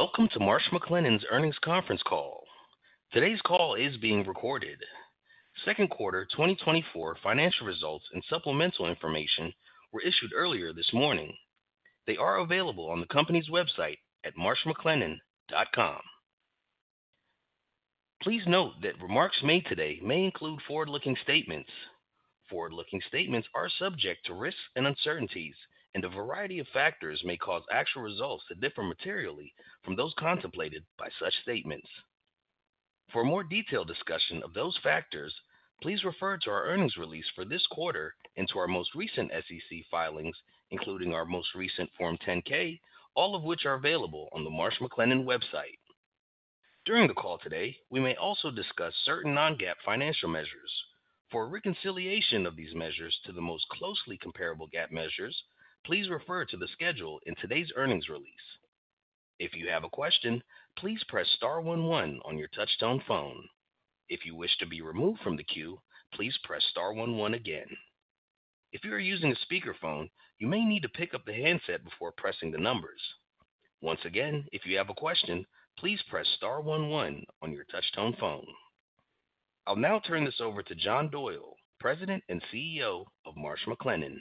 Welcome to Marsh McLennan's earnings conference call. Today's call is being recorded. Second quarter 2024 financial results and supplemental information were issued earlier this morning. They are available on the company's website at marshmclennan.com. Please note that remarks made today may include forward-looking statements. Forward-looking statements are subject to risks and uncertainties, and a variety of factors may cause actual results to differ materially from those contemplated by such statements. For a more detailed discussion of those factors, please refer to our earnings release for this quarter and to our most recent SEC filings, including our most recent Form 10-K, all of which are available on the Marsh McLennan website. During the call today, we may also discuss certain non-GAAP financial measures. For a reconciliation of these measures to the most closely comparable GAAP measures, please refer to the schedule in today's earnings release. If you have a question, please press star one one on your touchtone phone. If you wish to be removed from the queue, please press star one one again. If you are using a speakerphone, you may need to pick up the handset before pressing the numbers. Once again, if you have a question, please press star one one on your touchtone phone. I'll now turn this over to John Doyle, President and CEO of Marsh McLennan.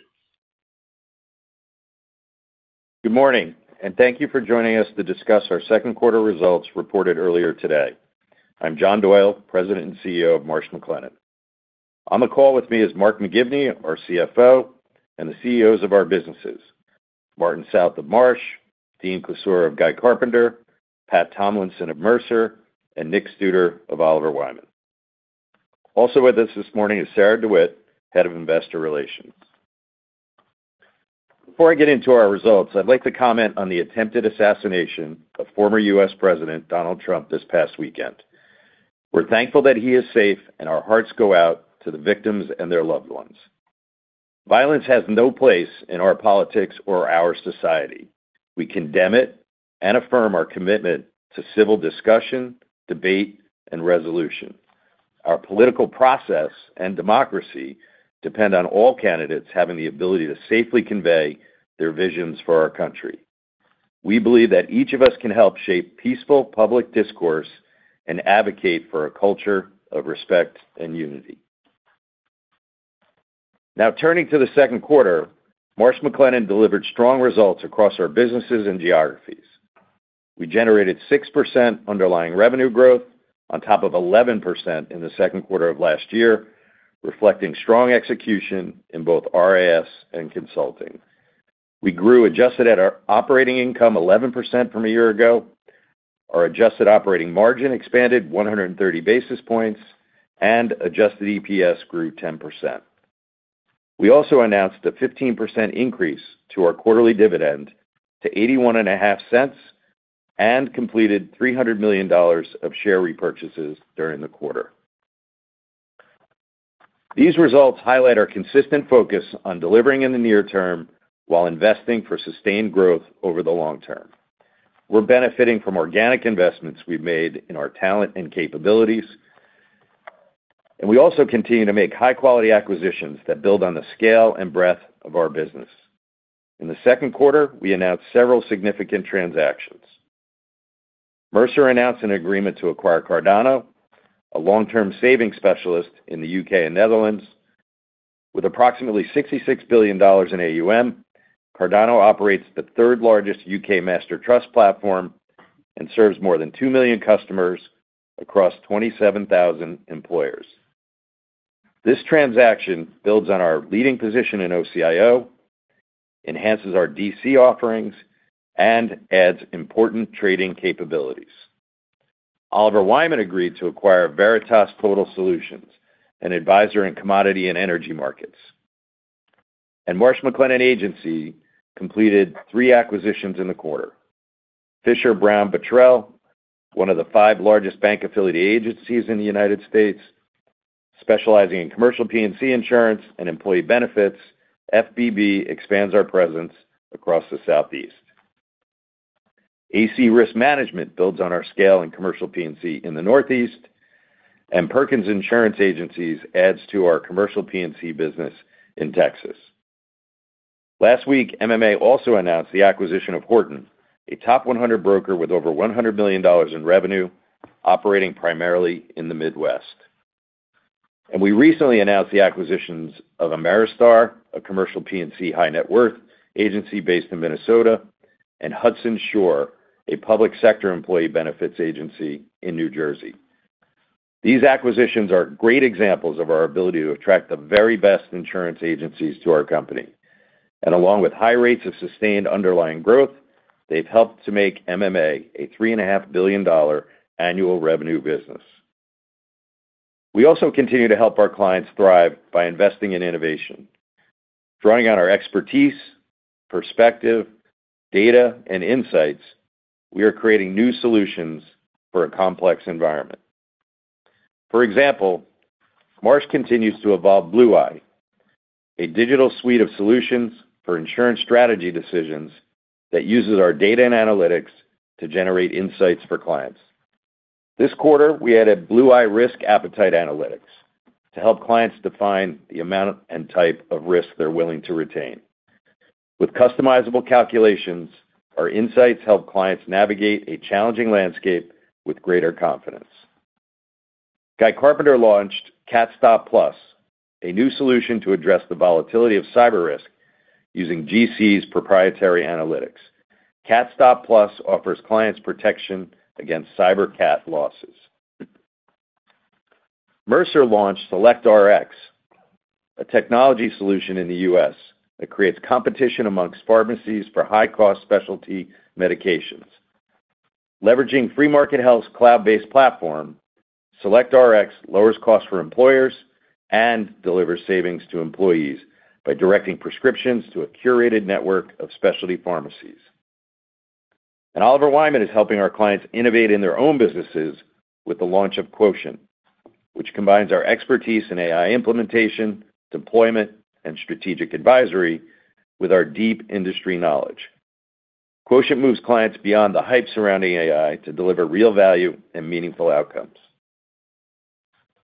Good morning, and thank you for joining us to discuss our second quarter results reported earlier today. I'm John Doyle, President and CEO of Marsh McLennan. On the call with me is Mark McGivney, our CFO, and the CEOs of our businesses, Martin South of Marsh, Dean Klisura of Guy Carpenter, Pat Tomlinson of Mercer, and Nick Studer of Oliver Wyman. Also with us this morning is Sarah DeWitt, Head of Investor Relations. Before I get into our results, I'd like to comment on the attempted assassination of former U.S. President Donald Trump this past weekend. We're thankful that he is safe, and our hearts go out to the victims and their loved ones. Violence has no place in our politics or our society. We condemn it and affirm our commitment to civil discussion, debate, and resolution. Our political process and democracy depend on all candidates having the ability to safely convey their visions for our country. We believe that each of us can help shape peaceful public discourse and advocate for a culture of respect and unity. Now, turning to the second quarter, Marsh McLennan delivered strong results across our businesses and geographies. We generated 6% underlying revenue growth on top of 11% in the second quarter of last year, reflecting strong execution in both RIS and consulting. Our adjusted operating income grew 11% from a year ago. Our adjusted operating margin expanded 130 basis points and adjusted EPS grew 10%. We also announced a 15% increase to our quarterly dividend to $0.815 and completed $300 million of share repurchases during the quarter. These results highlight our consistent focus on delivering in the near term while investing for sustained growth over the long term. We're benefiting from organic investments we've made in our talent and capabilities, and we also continue to make high-quality acquisitions that build on the scale and breadth of our business. In the second quarter, we announced several significant transactions. Mercer announced an agreement to acquire Cardano, a long-term savings specialist in the U.K. and Netherlands. With approximately $66 billion in AUM, Cardano operates the third-largest U.K. master trust platform and serves more than 2 million customers across 27,000 employers. This transaction builds on our leading position in OCIO, enhances our DC offerings, and adds important trading capabilities. Oliver Wyman agreed to acquire Veritas Total Solutions, an advisor in commodity and energy markets. Marsh McLennan Agency completed three acquisitions in the quarter. Fisher Brown Bottrell, one of the five largest bank-affiliated agencies in the United States, specializing in commercial P&C insurance and employee benefits. FBB expands our presence across the Southeast. AC Risk Management builds on our scale in commercial P&C in the Northeast, and Perkins Insurance Agencies adds to our commercial P&C business in Texas. Last week, MMA also announced the acquisition of Horton, a top 100 broker with over $100 billion in revenue, operating primarily in the Midwest. We recently announced the acquisitions of AmeriStar, a commercial P&C high net worth agency based in Minnesota, and Hudson Shore, a public sector employee benefits agency in New Jersey. These acquisitions are great examples of our ability to attract the very best insurance agencies to our company, and along with high rates of sustained underlying growth, they've helped to make MMA a $3.5 billion annual revenue business. We also continue to help our clients thrive by investing in innovation. Drawing on our expertise, perspective, data, and insights, we are creating new solutions for a complex environment. For example, Marsh continues to evolve Blue[i], a digital suite of solutions for insurance strategy decisions that uses our data and analytics to generate insights for clients. This quarter, we added Blue[i] Risk Appetite Analytics to help clients define the amount and type of risk they're willing to retain. With customizable calculations, our insights help clients navigate a challenging landscape with greater confidence. Guy Carpenter launched CatStop+, a new solution to address the volatility of cyber risk using GC's proprietary analytics. CatStop+ offers clients protection against cyber cat losses. Mercer launched SelectRx, a technology solution in the U.S. that creates competition among pharmacies for high-cost specialty medications. Leveraging Free Market Health's cloud-based platform, SelectRx lowers costs for employers and delivers savings to employees by directing prescriptions to a curated network of specialty pharmacies. And Oliver Wyman is helping our clients innovate in their own businesses with the launch of Quotient, which combines our expertise in AI implementation, deployment, and strategic advisory with our deep industry knowledge. Quotient moves clients beyond the hype surrounding AI to deliver real value and meaningful outcomes.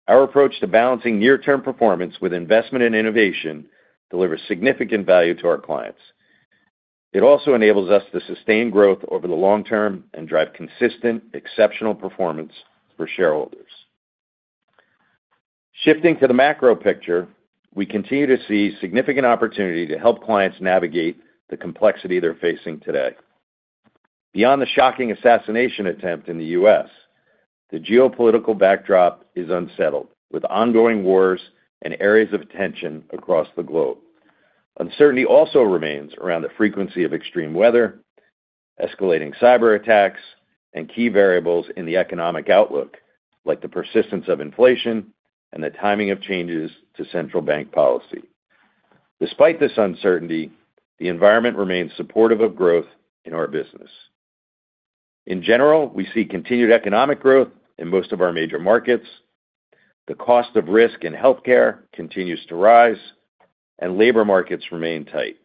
Our approach to balancing near-term performance with investment in innovation delivers significant value to our clients. It also enables us to sustain growth over the long term and drive consistent, exceptional performance for shareholders. Shifting to the macro picture, we continue to see significant opportunity to help clients navigate the complexity they're facing today. Beyond the shocking assassination attempt in the U.S., the geopolitical backdrop is unsettled, with ongoing wars and areas of tension across the globe. Uncertainty also remains around the frequency of extreme weather, escalating cyber attacks, and key variables in the economic outlook, like the persistence of inflation and the timing of changes to central bank policy. Despite this uncertainty, the environment remains supportive of growth in our business. In general, we see continued economic growth in most of our major markets, the cost of risk in healthcare continues to rise, and labor markets remain tight,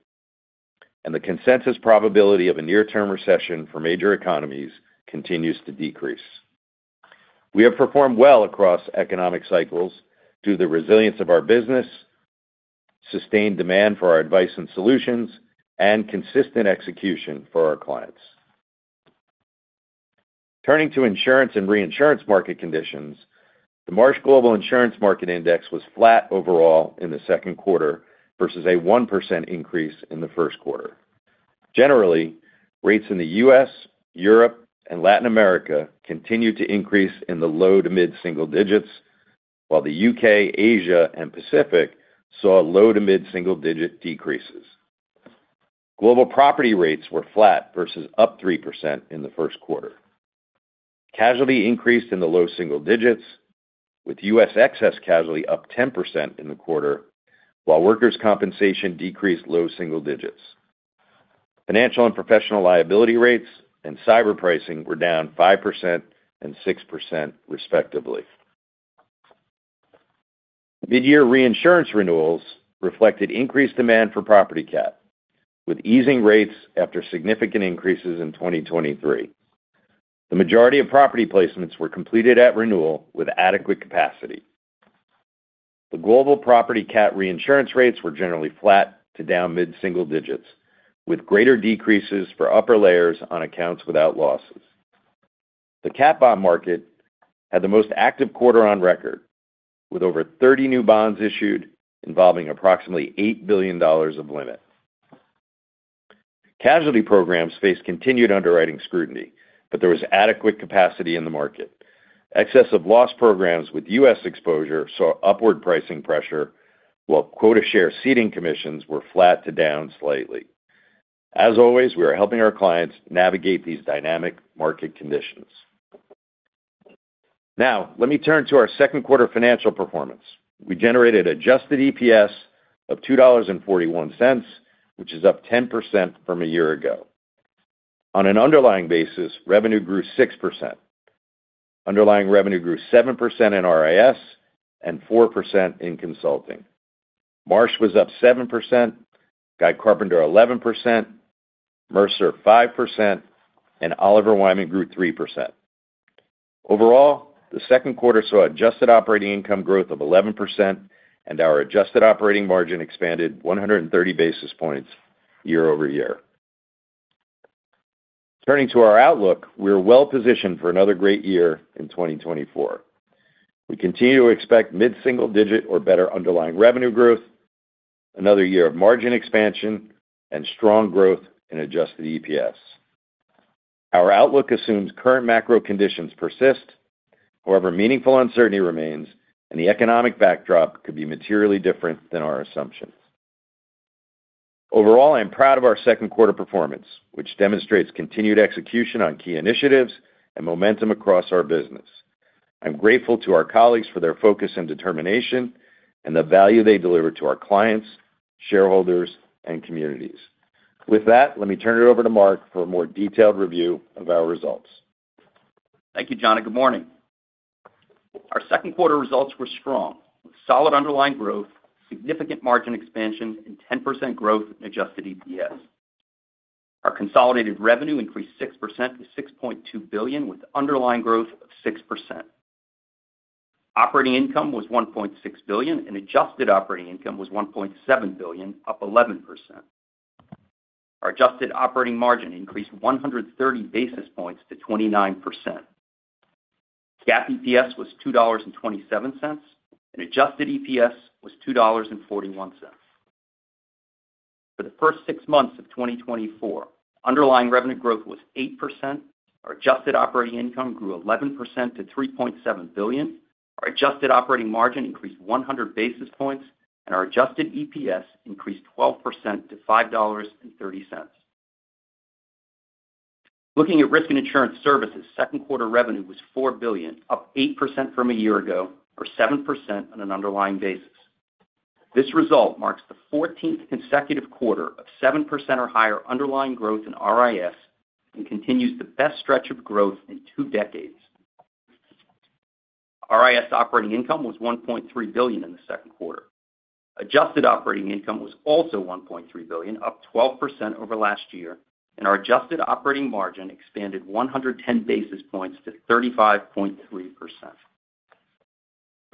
and the consensus probability of a near-term recession for major economies continues to decrease. We have performed well across economic cycles through the resilience of our business, sustained demand for our advice and solutions, and consistent execution for our clients. Turning to insurance and reinsurance market conditions, the Marsh Global Insurance Market Index was flat overall in the second quarter versus a 1% increase in the first quarter. Generally, rates in the U.S., Europe, and Latin America continued to increase in the low to mid-single digits, while the U.K., Asia, and Pacific saw low to mid-single-digit decreases. Global property rates were flat versus up 3% in the first quarter. Casualty increased in the low single digits, with U.S. excess casualty up 10% in the quarter, while workers' compensation decreased low single digits. Financial and professional liability rates and cyber pricing were down 5% and 6%, respectively. Mid-year reinsurance renewals reflected increased demand for property cat, with easing rates after significant increases in 2023. The majority of property placements were completed at renewal with adequate capacity. The global property cat reinsurance rates were generally flat to down mid-single digits, with greater decreases for upper layers on accounts without losses. The cat bond market had the most active quarter on record, with over 30 new bonds issued involving approximately $8 billion of limit. Casualty programs faced continued underwriting scrutiny, but there was adequate capacity in the market. Excess of loss programs with U.S. exposure saw upward pricing pressure, while quota share ceding commissions were flat to down slightly. As always, we are helping our clients navigate these dynamic market conditions. Now, let me turn to our second quarter financial performance. We generated adjusted EPS of $2.41, which is up 10% from a year ago. On an underlying basis, revenue grew 6%. Underlying revenue grew 7% in RIS and 4% in consulting. Marsh was up 7%, Guy Carpenter 11%, Mercer 5%, and Oliver Wyman grew 3%. Overall, the second quarter saw adjusted operating income growth of 11%, and our adjusted operating margin expanded 130 basis points year-over-year. Turning to our outlook, we are well positioned for another great year in 2024. We continue to expect mid-single-digit or better underlying revenue growth, another year of margin expansion, and strong growth in adjusted EPS. Our outlook assumes current macro conditions persist, however, meaningful uncertainty remains, and the economic backdrop could be materially different than our assumptions. Overall, I am proud of our second quarter performance, which demonstrates continued execution on key initiatives and momentum across our business. I'm grateful to our colleagues for their focus and determination and the value they deliver to our clients, shareholders, and communities. With that, let me turn it over to Mark for a more detailed review of our results. Thank you, John, and good morning. Our second quarter results were strong, with solid underlying growth, significant margin expansion, and 10% growth in adjusted EPS. Our consolidated revenue increased 6% to $6.2 billion, with underlying growth of 6%. Operating income was $1.6 billion, and adjusted operating income was $1.7 billion, up 11%. Our adjusted operating margin increased 130 basis points to 29%. GAAP EPS was $2.27, and adjusted EPS was $2.41. For the first six months of 2024, underlying revenue growth was 8%. Our adjusted operating income grew 11% to $3.7 billion. Our adjusted operating margin increased 100 basis points, and our adjusted EPS increased 12% to $5.30. Looking at Risk and Insurance Services, second quarter revenue was $4 billion, up 8% from a year ago, or 7% on an underlying basis. This result marks the 14th consecutive quarter of 7% or higher underlying growth in RIS and continues the best stretch of growth in two decades. RIS operating income was $1.3 billion in the second quarter. Adjusted operating income was also $1.3 billion, up 12% over last year, and our adjusted operating margin expanded 110 basis points to 35.3%. For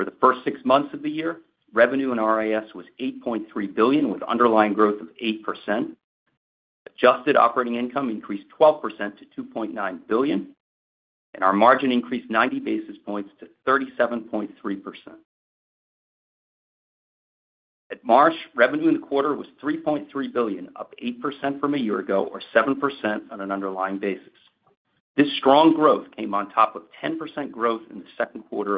the first six months of the year, revenue in RIS was $8.3 billion, with underlying growth of 8%. Adjusted operating income increased 12% to $2.9 billion, and our margin increased 90 basis points to 37.3%. At Marsh, revenue in the quarter was $3.3 billion, up 8% from a year ago, or 7% on an underlying basis. This strong growth came on top of 10% growth in the second quarter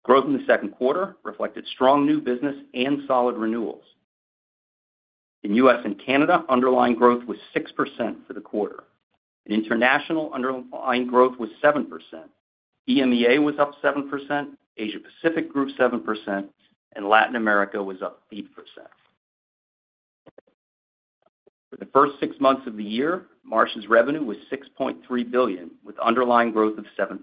of last year. Growth in the second quarter reflected strong new business and solid renewals. In U.S. and Canada, underlying growth was 6% for the quarter. In international, underlying growth was 7%. EMEA was up 7%, Asia Pacific grew 7%, and Latin America was up 8%. For the first six months of the year, Marsh's revenue was $6.3 billion, with underlying growth of 7%.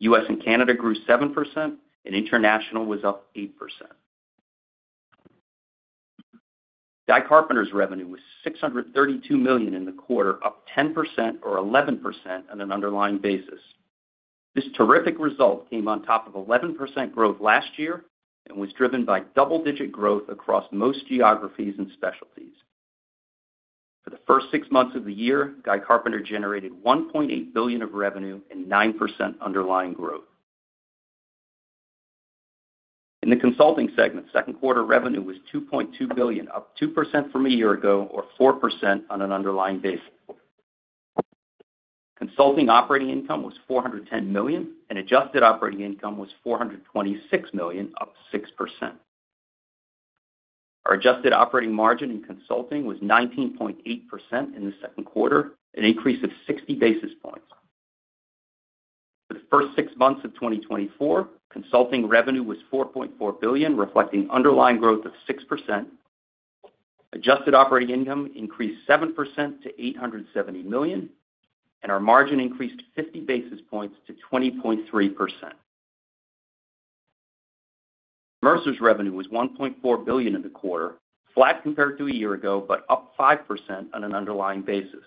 U.S. and Canada grew 7%, and international was up 8%. Guy Carpenter's revenue was $632 million in the quarter, up 10% or 11% on an underlying basis. This terrific result came on top of 11% growth last year and was driven by double-digit growth across most geographies and specialties. For the first six months of the year, Guy Carpenter generated $1.8 billion of revenue and 9% underlying growth. In the consulting segment, second quarter revenue was $2.2 billion, up 2% from a year ago, or 4% on an underlying basis. Consulting operating income was $410 million, and adjusted operating income was $426 million, up 6%. Our adjusted operating margin in consulting was 19.8% in the second quarter, an increase of 60 basis points. For the first six months of 2024, consulting revenue was $4.4 billion, reflecting underlying growth of 6%. Adjusted operating income increased 7% to $870 million, and our margin increased 50 basis points to 20.3%. Mercer's revenue was $1.4 billion in the quarter, flat compared to a year ago, but up 5% on an underlying basis.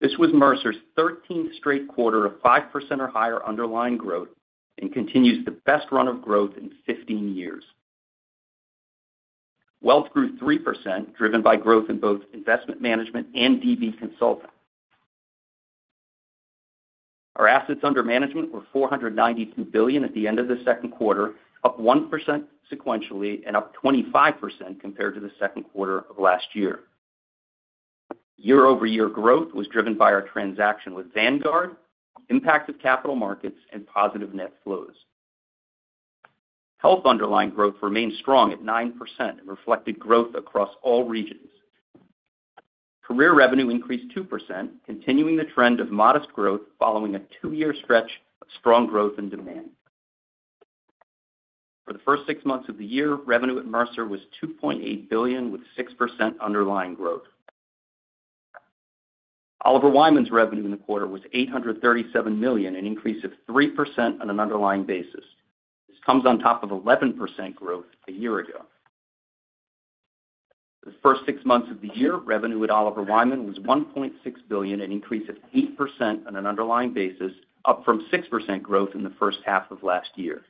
This was Mercer's 13th straight quarter of 5% or higher underlying growth and continues the best run of growth in 15 years. Wealth grew 3%, driven by growth in both investment management and DB consulting. Our assets under management were $492 billion at the end of the second quarter, up 1% sequentially and up 25% compared to the second quarter of last year. Year-over-year growth was driven by our transaction with Vanguard, impact of capital markets, and positive net flows. Health underlying growth remained strong at 9% and reflected growth across all regions. Core revenue increased 2%, continuing the trend of modest growth following a 2-year stretch of strong growth and demand. For the first six months of the year, revenue at Mercer was $2.8 billion, with 6% underlying growth. Oliver Wyman's revenue in the quarter was $837 million, an increase of 3% on an underlying basis. This comes on top of 11% growth a year ago. For the first six months of the year, revenue at Oliver Wyman was $1.6 billion, an increase of 8% on an underlying basis, up from 6% growth in the first half of last year.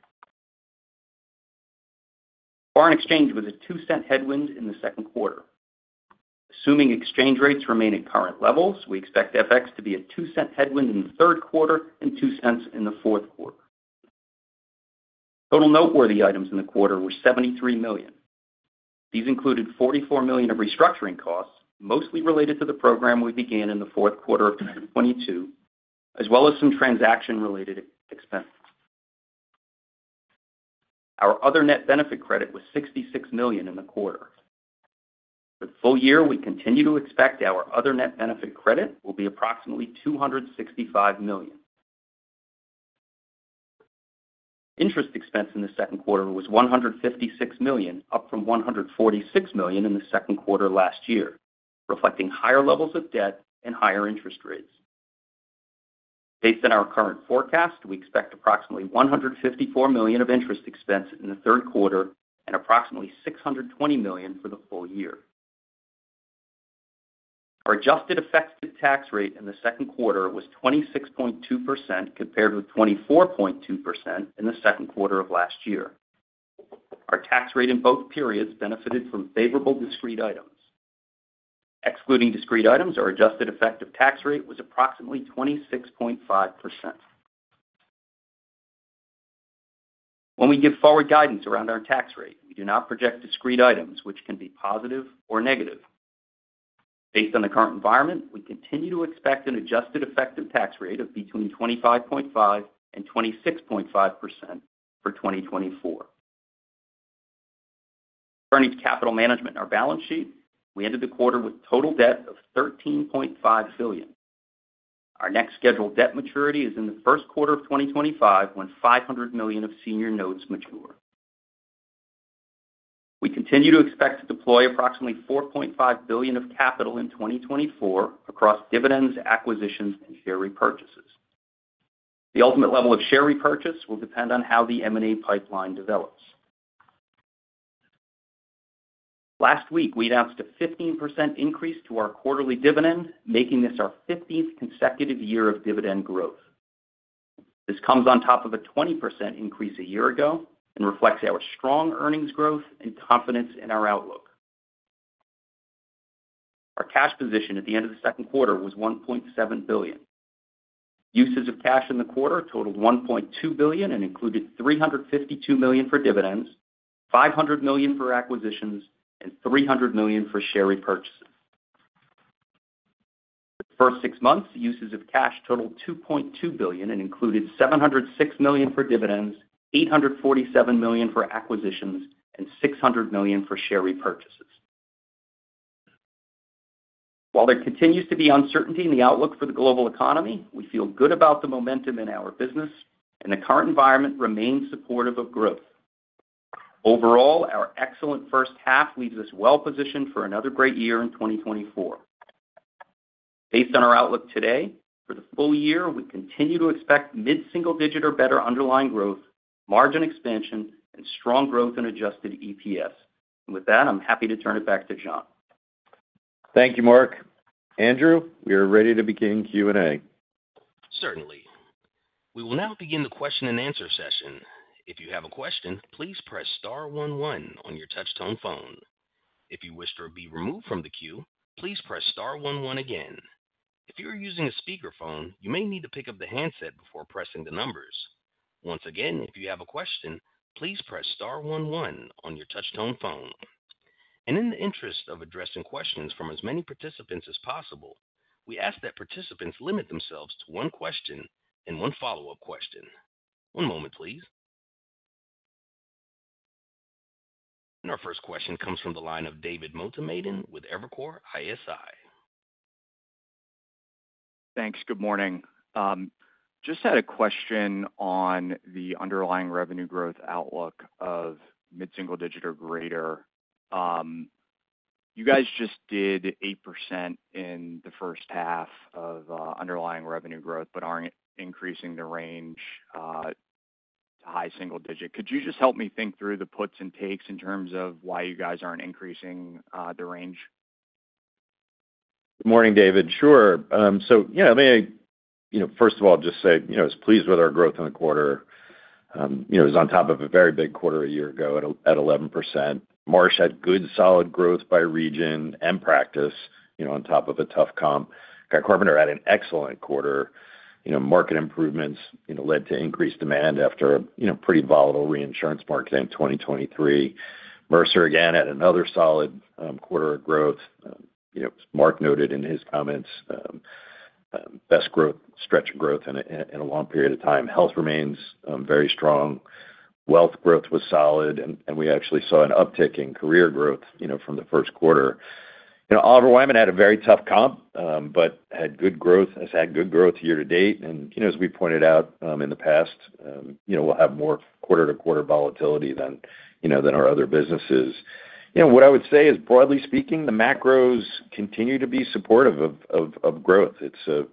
Foreign exchange was a 2-cent headwind in the second quarter. Assuming exchange rates remain at current levels, we expect FX to be a 2-cent headwind in the third quarter and 2 cents in the fourth quarter. Total noteworthy items in the quarter were $73 million. These included $44 million of restructuring costs, mostly related to the program we began in the fourth quarter of 2022, as well as some transaction-related expenses. Our other net benefit credit was $66 million in the quarter. For the full year, we continue to expect our other net benefit credit will be approximately $265 million. Interest expense in the second quarter was $156 million, up from $146 million in the second quarter last year, reflecting higher levels of debt and higher interest rates. Based on our current forecast, we expect approximately $154 million of interest expense in the third quarter and approximately $620 million for the full year. Our adjusted effective tax rate in the second quarter was 26.2%, compared with 24.2% in the second quarter of last year. Our tax rate in both periods benefited from favorable discrete items. Excluding discrete items, our adjusted effective tax rate was approximately 26.5%. When we give forward guidance around our tax rate, we do not project discrete items, which can be positive or negative. Based on the current environment, we continue to expect an adjusted effective tax rate of between 25.5% and 26.5% for 2024. Turning to capital management and our balance sheet, we ended the quarter with total debt of $13.5 billion. Our next scheduled debt maturity is in the first quarter of 2025, when $500 million of senior notes mature. We continue to expect to deploy approximately $4.5 billion of capital in 2024 across dividends, acquisitions, and share repurchases. The ultimate level of share repurchase will depend on how the M&A pipeline develops. Last week, we announced a 15% increase to our quarterly dividend, making this our 15th consecutive year of dividend growth. This comes on top of a 20% increase a year ago and reflects our strong earnings growth and confidence in our outlook. Our cash position at the end of the second quarter was $1.7 billion. Uses of cash in the quarter totaled $1.2 billion and included $352 million for dividends, $500 million for acquisitions, and $300 million for share repurchases. For the first six months, uses of cash totaled $2.2 billion and included $706 million for dividends, $847 million for acquisitions, and $600 million for share repurchases. While there continues to be uncertainty in the outlook for the global economy, we feel good about the momentum in our business, and the current environment remains supportive of growth. Overall, our excellent first half leaves us well positioned for another great year in 2024. Based on our outlook today, for the full year, we continue to expect mid-single digit or better underlying growth, margin expansion, and strong growth in adjusted EPS. And with that, I'm happy to turn it back to John. Thank you, Mark. Andrew, we are ready to begin Q&A. Certainly. We will now begin the question-and-answer session. If you have a question, please press star one one on your touchtone phone. If you wish to be removed from the queue, please press star one one again. If you are using a speakerphone, you may need to pick up the handset before pressing the numbers. Once again, if you have a question, please press star one one on your touchtone phone. And in the interest of addressing questions from as many participants as possible, we ask that participants limit themselves to one question and one follow-up question. One moment, please. And our first question comes from the line of David Motemaden with Evercore ISI. Thanks. Good morning. Just had a question on the underlying revenue growth outlook of mid-single digit or greater. You guys just did 8% in the first half of underlying revenue growth, but aren't increasing the range to high single digit. Could you just help me think through the puts and takes in terms of why you guys aren't increasing the range? Good morning, David. Sure. So yeah, I mean, you know, first of all, just say, you know, I was pleased with our growth in the quarter. You know, it was on top of a very big quarter a year ago at 11%. Marsh had good, solid growth by region and practice, you know, on top of a tough comp. Guy Carpenter had an excellent quarter. You know, market improvements, you know, led to increased demand after a, you know, pretty volatile reinsurance market in 2023. Mercer, again, had another solid quarter of growth. You know, as Mark noted in his comments, best growth stretch of growth in a, in a long period of time. Health remains very strong. Wealth growth was solid, and we actually saw an uptick in career growth, you know, from the first quarter. You know, Oliver Wyman had a very tough comp, but had good growth, has had good growth year to date. And, you know, as we pointed out, in the past, you know, we'll have more quarter-to-quarter volatility than, you know, than our other businesses. You know, what I would say is, broadly speaking, the macros continue to be supportive of, of, of growth. It's a,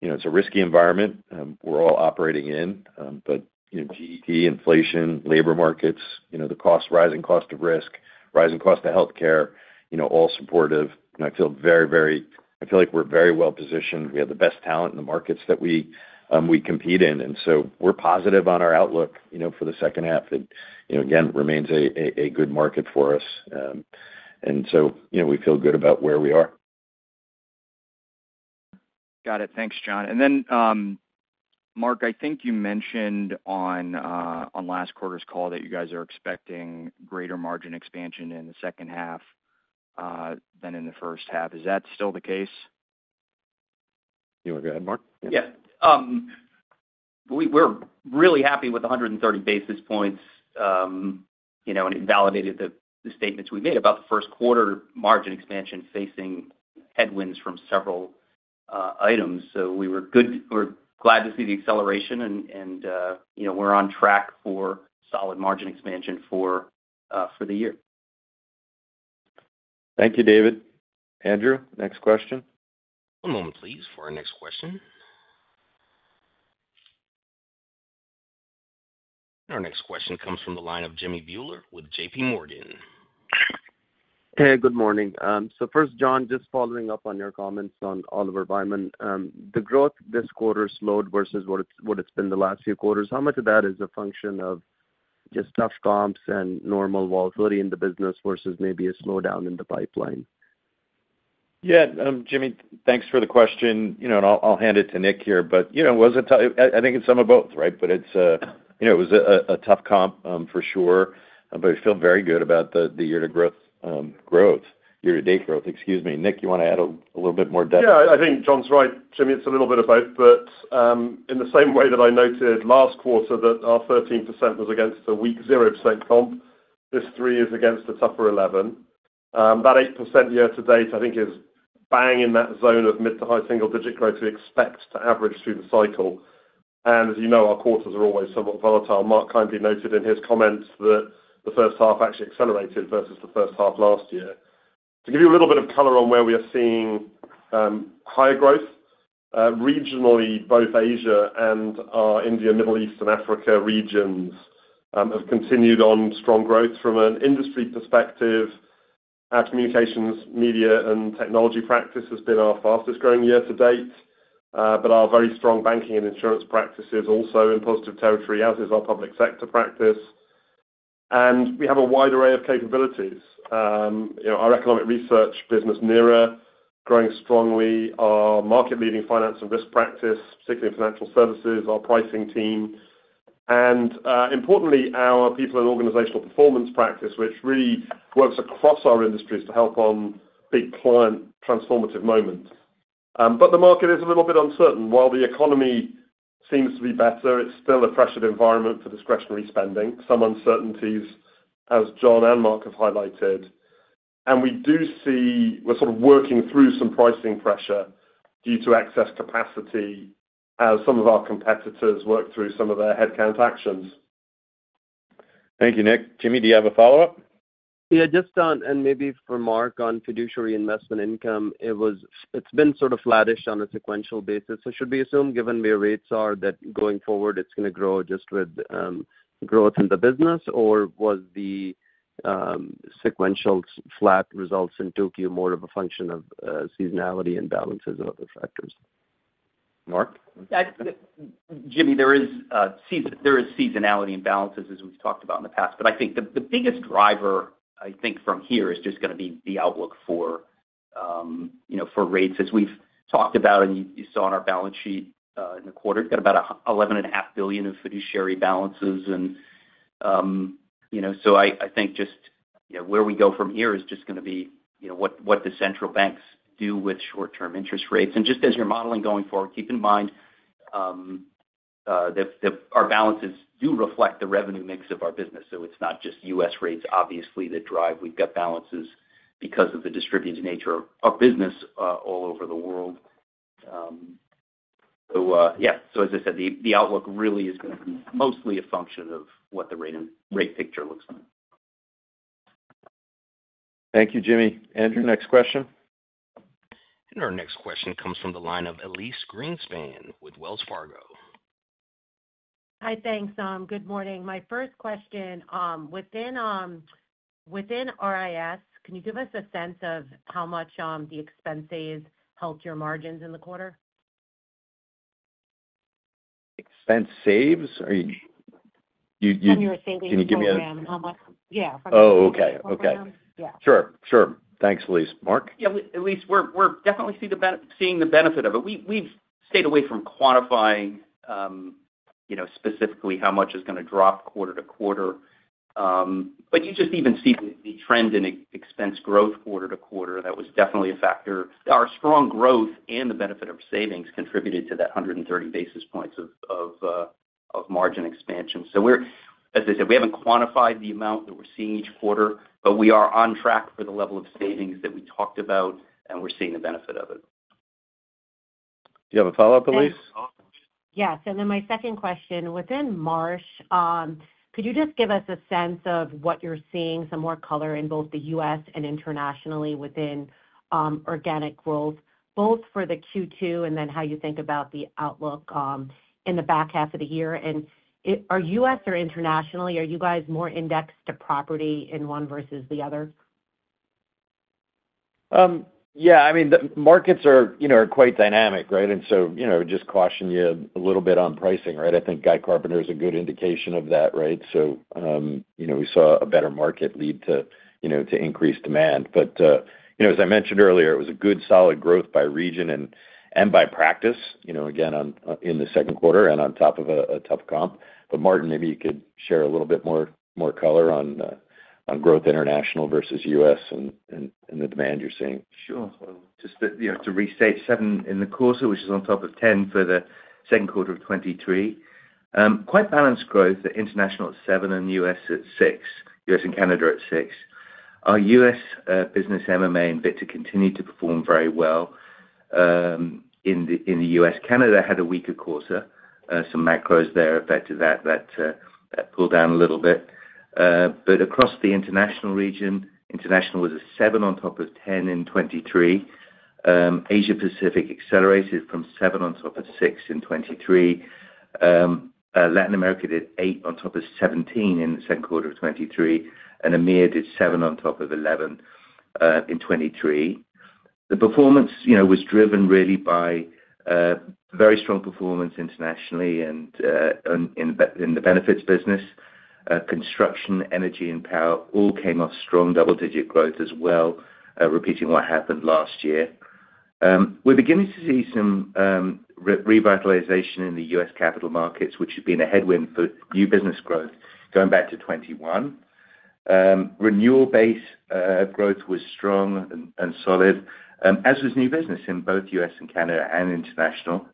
you know, it's a risky environment, we're all operating in, but, you know, geopolitical, inflation, labor markets, you know, the cost—rising cost of risk, rising cost of healthcare, you know, all supportive. And I feel very, very—I feel like we're very well positioned. We have the best talent in the markets that we, we compete in, and so we're positive on our outlook, you know, for the second half. It, you know, again, remains a good market for us. So, you know, we feel good about where we are. Got it. Thanks, John. And then, Mark, I think you mentioned on last quarter's call that you guys are expecting greater margin expansion in the second half than in the first half. Is that still the case? You want to go ahead, Mark? Yeah. We're really happy with the 130 basis points, you know, and it validated the statements we made about the first quarter margin expansion facing headwinds from several items. So we were good. We're glad to see the acceleration, and you know, we're on track for solid margin expansion for the year. Thank you, David. Andrew, next question. One moment, please, for our next question. Our next question comes from the line of Jimmy Bhullar with JPMorgan. Hey, good morning. So first, John, just following up on your comments on Oliver Wyman. The growth this quarter slowed versus what it's, what it's been the last few quarters. How much of that is a function of just tough comps and normal volatility in the business versus maybe a slowdown in the pipeline? Yeah, Jimmy, thanks for the question. You know, and I'll hand it to Nick here. But, you know, I think it's some of both, right? But it's, you know, it was a tough comp, for sure, but I feel very good about the year-to-date growth, excuse me. Nick, you want to add a little bit more depth? Yeah, I think John's right, Jimmy. It's a little bit of both, but, in the same way that I noted last quarter that our 13% was against a weak 0% comp, this 3% is against a tougher 11%. That 8% year to date, I think, is bang in that zone of mid- to high-single-digit growth we expect to average through the cycle. And as you know, our quarters are always somewhat volatile. Mark kindly noted in his comments that the first half actually accelerated versus the first half last year. To give you a little bit of color on where we are seeing higher growth, regionally, both Asia and our India, Middle East, and Africa regions have continued on strong growth. From an industry perspective, our communications, media, and technology practice has been our fastest growing year to date, but our very strong banking and insurance practice is also in positive territory, as is our public sector practice. We have a wide array of capabilities. You know, our economic research business, NERA, growing strongly, our market-leading finance and risk practice, particularly in financial services, our pricing team, and, importantly, our people and organizational performance practice, which really works across our industries to help on big client transformative moments. But the market is a little bit uncertain. While the economy seems to be better, it's still a pressured environment for discretionary spending. Some uncertainties, as John and Mark have highlighted, and we do see, we're sort of working through some pricing pressure due to excess capacity as some of our competitors work through some of their headcount actions. Thank you, Nick. Jimmy, do you have a follow-up? Yeah, just on, and maybe for Mark on fiduciary investment income, it was—it's been sort of flattish on a sequential basis. So should we assume, given where rates are, that going forward, it's going to grow just with growth in the business? Or was the sequential flat results in 2Q more of a function of seasonality and balances and other factors? Mark? Yeah, Jimmy, there is seasonality and balances, as we've talked about in the past. But I think the biggest driver, I think, from here, is just going to be the outlook for, you know, for rates. As we've talked about, and you saw on our balance sheet, in the quarter, got about $11.5 billion of fiduciary balances. And, you know, so I think just, you know, where we go from here is just going to be, you know, what the central banks do with short-term interest rates. And just as you're modeling going forward, keep in mind, that our balances do reflect the revenue mix of our business, so it's not just US rates, obviously, that drive. We've got balances because of the distributed nature of our business, all over the world. So, yeah, so as I said, the outlook really is going to be mostly a function of what the rate picture looks like. Thank you, Jimmy. Andrew, next question. Our next question comes from the line of Elyse Greenspan with Wells Fargo. Hi, thanks, good morning. My first question, within RIS, can you give us a sense of how much the expense saves helped your margins in the quarter? Expense saves? From your savings program, how much- Can you give me a- Yeah. Oh, okay. Okay. Yeah. Sure, sure. Thanks, Elyse. Mark? Yeah, Elyse, we're definitely seeing the benefit of it. We've stayed away from quantifying, you know, specifically how much is going to drop quarter to quarter. But you just even see the trend in expense growth quarter to quarter, that was definitely a factor. Our strong growth and the benefit of savings contributed to that 130 basis points of margin expansion. So we're, as I said, we haven't quantified the amount that we're seeing each quarter, but we are on track for the level of savings that we talked about, and we're seeing the benefit of it. Do you have a follow-up, Elyse? Yes, and then my second question: within Marsh, could you just give us a sense of what you're seeing, some more color in both the U.S. and internationally within, organic growth, both for the Q2 and then how you think about the outlook, in the back half of the year? And are U.S. or internationally, are you guys more indexed to property in one versus the other? Yeah, I mean, the markets are, you know, quite dynamic, right? And so, you know, just caution you a little bit on pricing, right? I think Guy Carpenter is a good indication of that, right? So, you know, we saw a better market lead to, you know, to increased demand. But, you know, as I mentioned earlier, it was a good, solid growth by region and by practice, you know, again, on in the second quarter and on top of a tough comp. But Martin, maybe you could share a little bit more color on growth international versus US and the demand you're seeing. Sure. Well, just to, you know, to restate seven in the quarter, which is on top of 10 for the second quarter of 2023. Quite balanced growth at international at seven and U.S. at six, U.S. and Canada at six.... Our U.S. business, MMA and Victor, continued to perform very well, in the U.S. Canada had a weaker quarter, some macros there affected that, that pulled down a little bit. But across the international region, international was a seven on top of 10 in 2023. Asia Pacific accelerated from seven on top of six in 2023. Latin America did eight on top of 17 in the second quarter of 2023, and EMEA did seven on top of 11, in 2023. The performance, you know, was driven really by, very strong performance internationally and, in the benefits business. Construction, energy, and power all came off strong double-digit growth as well, repeating what happened last year. We're beginning to see some revitalization in the U.S. capital markets, which has been a headwind for new business growth going back to 2021. Renewal base growth was strong and solid, as was new business in both U.S. and Canada and international.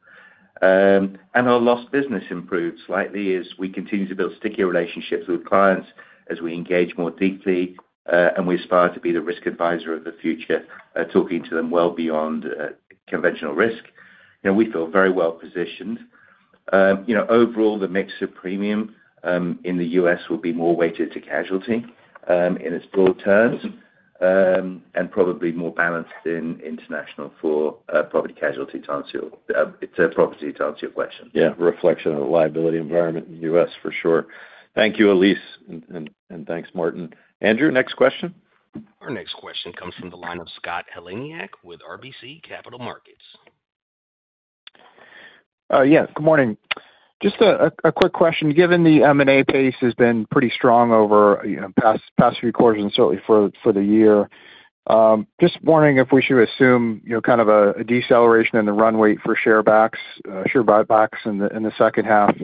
And our lost business improved slightly as we continue to build stickier relationships with clients as we engage more deeply, and we aspire to be the risk advisor of the future, talking to them well beyond conventional risk. You know, we feel very well positioned. You know, overall, the mix of premium in the U.S. will be more weighted to casualty, in its broad terms, and probably more balanced in international for property casualty, property to answer your question. Yeah, reflection of the liability environment in the U.S. for sure. Thank you, Elyse. And thanks, Martin. Andrew, next question? Our next question comes from the line of Scott Heleniak with RBC Capital Markets. Yeah, good morning. Just a quick question. Given the M&A pace has been pretty strong over, you know, past few quarters and certainly for the year, just wondering if we should assume, you know, kind of a deceleration in the run rate for share buybacks in the second half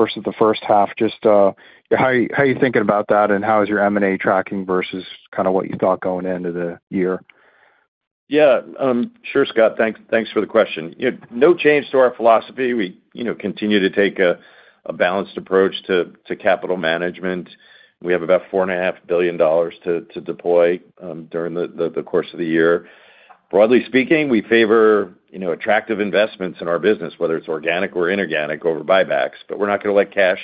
versus the first half. How are you thinking about that, and how is your M&A tracking versus kind of what you thought going into the year? Yeah, sure, Scott. Thanks, thanks for the question. You know, no change to our philosophy. We, you know, continue to take a balanced approach to capital management. We have about $4.5 billion to deploy during the course of the year. Broadly speaking, we favor, you know, attractive investments in our business, whether it's organic or inorganic, over buybacks, but we're not gonna let cash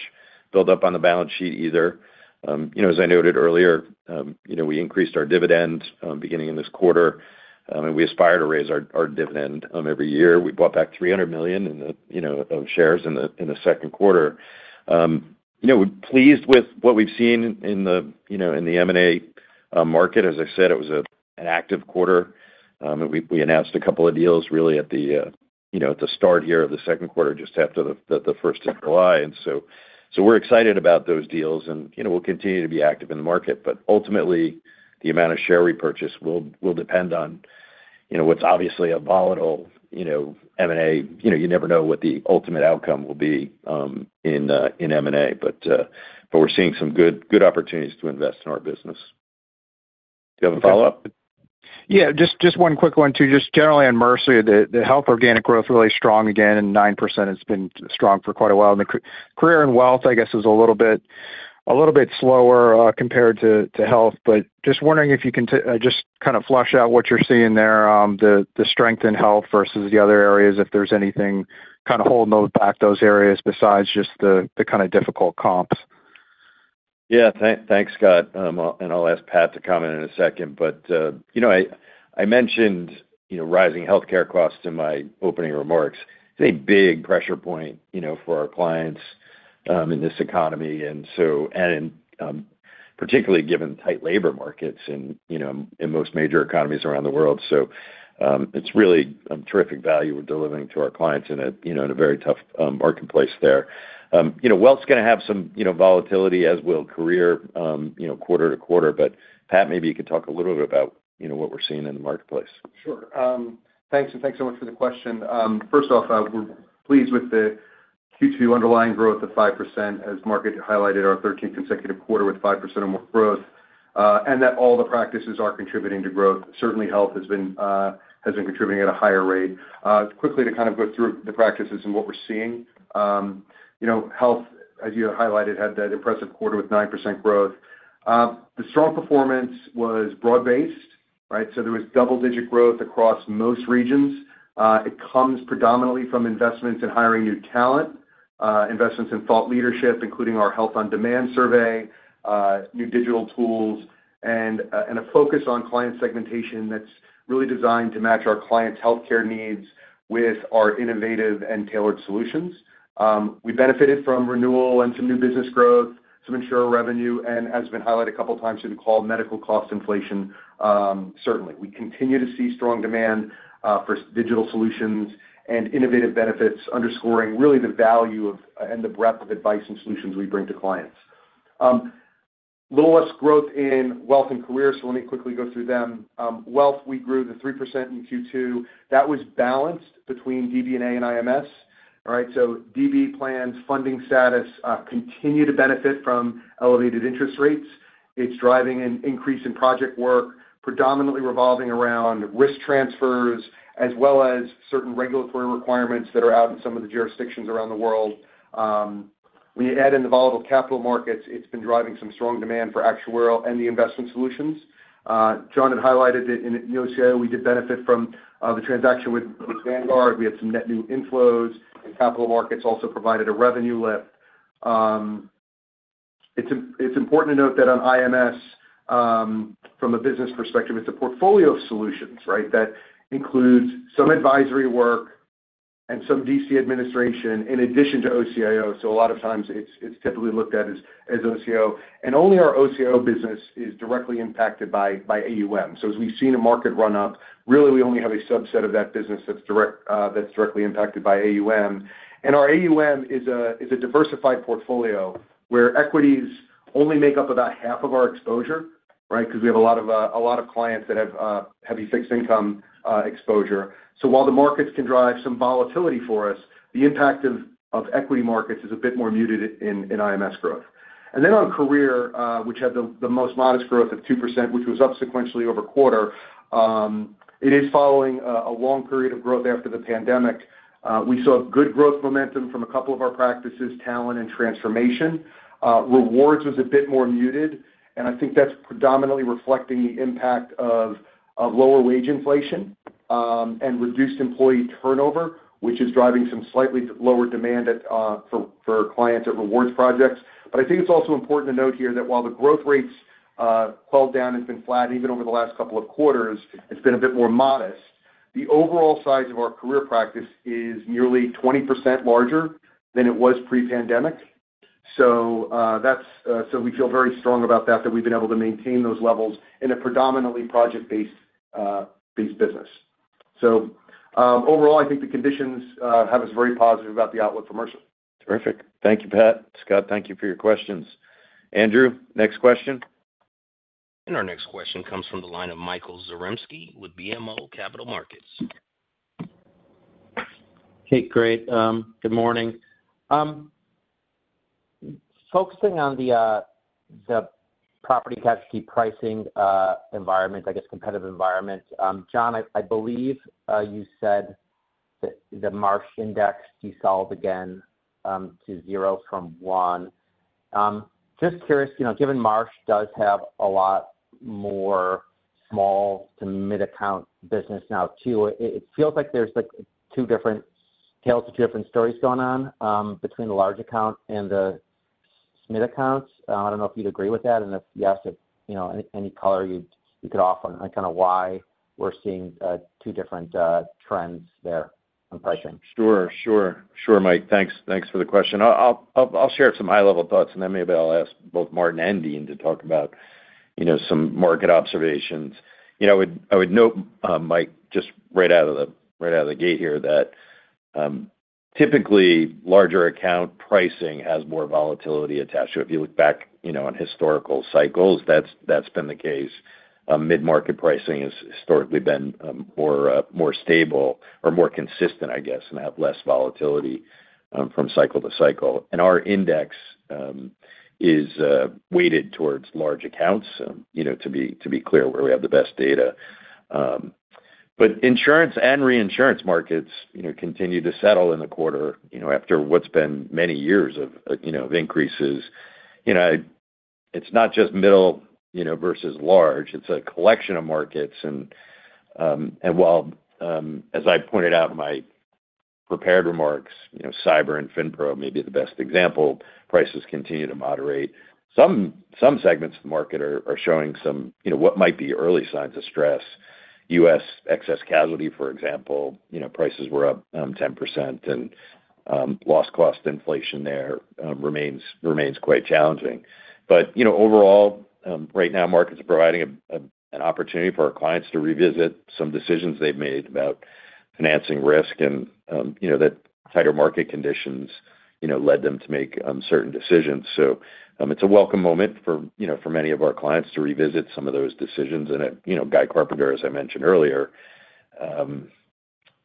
build up on the balance sheet either. You know, as I noted earlier, you know, we increased our dividend beginning in this quarter, and we aspire to raise our dividend every year. We bought back $300 million of shares in the second quarter. You know, we're pleased with what we've seen in the M&A market. As I said, it was an active quarter. And we announced a couple of deals really at the, you know, at the start here of the second quarter, just after the first of July. And so we're excited about those deals, and, you know, we'll continue to be active in the market. But ultimately, the amount of share repurchase will depend on, you know, what's obviously a volatile, you know, M&A. You know, you never know what the ultimate outcome will be, in M&A. But we're seeing some good opportunities to invest in our business. Do you have a follow-up? Yeah, just, just one quick one, too. Just generally on Mercer, the health organic growth really strong again, and 9% has been strong for quite a while. And the career and wealth, I guess, is a little bit, a little bit slower, compared to health. But just wondering if you can just kind of flesh out what you're seeing there, the strength in health versus the other areas, if there's anything kind of holding those back, those areas, besides just the kind of difficult comps? Yeah. Thanks, Scott. And I'll ask Pat to comment in a second. But, you know, I mentioned, you know, rising healthcare costs in my opening remarks. It's a big pressure point, you know, for our clients, in this economy, and so, particularly given tight labor markets in, you know, in most major economies around the world. So, it's really terrific value we're delivering to our clients in a, you know, in a very tough marketplace there. You know, wealth's gonna have some, you know, volatility as will career, you know, quarter to quarter. But Pat, maybe you could talk a little bit about, you know, what we're seeing in the marketplace. Sure. Thanks, and thanks so much for the question. First off, we're pleased with the Q2 underlying growth of 5%, as Mark highlighted our thirteenth consecutive quarter with 5% or more growth, and that all the practices are contributing to growth. Certainly, health has been, has been contributing at a higher rate. Quickly to kind of go through the practices and what we're seeing, you know, health, as you highlighted, had that impressive quarter with 9% growth. The strong performance was broad-based, right? So there was double-digit growth across most regions. It comes predominantly from investments in hiring new talent, investments in thought leadership, including our Health on Demand survey, new digital tools, and a focus on client segmentation that's really designed to match our clients' healthcare needs with our innovative and tailored solutions. We benefited from renewal and some new business growth, some insurer revenue, and as has been highlighted a couple of times in the call, medical cost inflation, certainly. We continue to see strong demand for digital solutions and innovative benefits, underscoring really the value of, and the breadth of advice and solutions we bring to clients. Little less growth in wealth and career, so let me quickly go through them. Wealth, we grew to 3% in Q2. That was balanced between the DB and IMS. All right, so DB plans, funding status, continue to benefit from elevated interest rates. It's driving an increase in project work, predominantly revolving around risk transfers, as well as certain regulatory requirements that are out in some of the jurisdictions around the world. When you add in the volatile capital markets, it's been driving some strong demand for actuarial and the investment solutions. John had highlighted that in OCIO, we did benefit from the transaction with Vanguard. We had some net new inflows, and capital markets also provided a revenue lift. It's important to note that on IMS, from a business perspective, it's a portfolio of solutions, right? That includes some advisory work and some DC administration in addition to OCIO. So a lot of times, it's typically looked at as OCIO, and only our OCIO business is directly impacted by AUM. So as we've seen a market run up, really, we only have a subset of that business that's direct, that's directly impacted by AUM. Our AUM is a, is a diversified portfolio, where equities only make up about half of our exposure, right? Because we have a lot of, a lot of clients that have heavy fixed income exposure. So while the markets can drive some volatility for us, the impact of equity markets is a bit more muted in IMS growth. And then on career, which had the most modest growth of 2%, which was up sequentially over quarter, it is following a long period of growth after the pandemic. We saw good growth momentum from a couple of our practices, talent and transformation. Rewards was a bit more muted, and I think that's predominantly reflecting the impact of, of lower wage inflation, and reduced employee turnover, which is driving some slightly lower demand at, for, for clients at rewards projects. But I think it's also important to note here that while the growth rates, slowed down and been flat, even over the last couple of quarters, it's been a bit more modest. The overall size of our career practice is nearly 20% larger than it was pre-pandemic. So, that's, so we feel very strong about that, that we've been able to maintain those levels in a predominantly project-based, based business. So, overall, I think the conditions, have us very positive about the outlook for Mercer. Terrific. Thank you, Pat. Scott, thank you for your questions. Andrew, next question. And our next question comes from the line of Michael Zaremski with BMO Capital Markets. Hey, great. Good morning. Focusing on the, the property casualty pricing, environment, I guess, competitive environment, John, I, I believe, you said that the Marsh Index devolved again, to 0 from 1. Just curious, you know, given Marsh does have a lot more small to mid-account business now, too, it, it feels like there's, like, two different tails or two different stories going on, between the large account and the mid accounts. I don't know if you'd agree with that, and if yes, if, you know, any, any color you'd -- you could offer on kind of why we're seeing, two different, trends there on pricing. Sure, sure. Sure, Mike. Thanks, thanks for the question. I'll share some high-level thoughts, and then maybe I'll ask both Martin and Dean to talk about, you know, some market observations. You know, I would note, Mike, just right out of the gate here, that typically, larger account pricing has more volatility attached to it. If you look back, you know, on historical cycles, that's been the case. Mid-market pricing has historically been more stable or more consistent, I guess, and have less volatility from cycle to cycle. And our index is weighted towards large accounts, you know, to be clear where we have the best data. But insurance and reinsurance markets, you know, continue to settle in the quarter, you know, after what's been many years of, you know, of increases. You know, it's not just middle, you know, versus large, it's a collection of markets. And while, as I pointed out in my prepared remarks, you know, cyber and FinPro may be the best example, prices continue to moderate. Some segments of the market are showing some, you know, what might be early signs of stress. U.S. excess casualty, for example, you know, prices were up 10%, and loss cost inflation there remains quite challenging. But, you know, overall, right now, markets are providing an opportunity for our clients to revisit some decisions they've made about financing risk and, you know, that tighter market conditions, you know, led them to make certain decisions. So, it's a welcome moment for, you know, for many of our clients to revisit some of those decisions. And, you know, Guy Carpenter, as I mentioned earlier,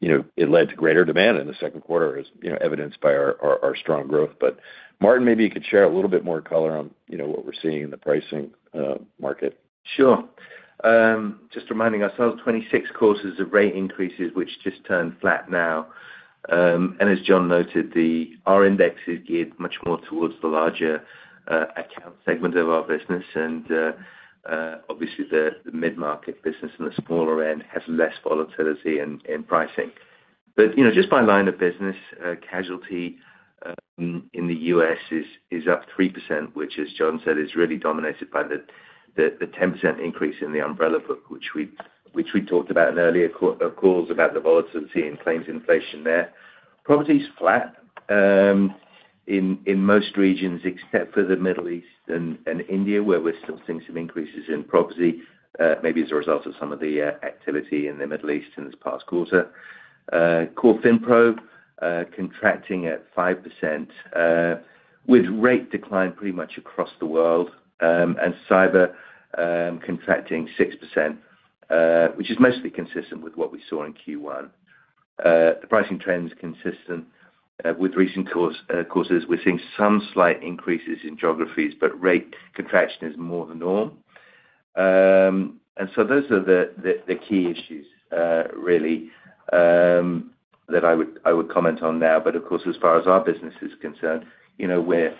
you know, it led to greater demand in the second quarter, as you know, evidenced by our strong growth. But Martin, maybe you could share a little bit more color on, you know, what we're seeing in the pricing market. Sure. Just reminding ourselves, 26 quarters of rate increases, which just turned flat now. And as John noted, our index is geared much more towards the larger account segment of our business, and obviously, the mid-market business in the smaller end has less volatility in pricing. But, you know, just by line of business, casualty in the U.S. is up 3%, which, as John said, is really dominated by the 10% increase in the umbrella book, which we talked about in earlier quarterly calls about the volatility and claims inflation there. Property's flat, in most regions, except for the Middle East and India, where we're still seeing some increases in property, maybe as a result of some of the activity in the Middle East in this past quarter. Core FinPro, contracting at 5%, with rate decline pretty much across the world, and cyber, contracting 6%, which is mostly consistent with what we saw in Q1. The pricing trend is consistent, with recent course, courses. We're seeing some slight increases in geographies, but rate contraction is more the norm.... And so those are the key issues, really, that I would comment on now. But of course, as far as our business is concerned, you know, we're,